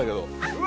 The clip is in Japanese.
うわ！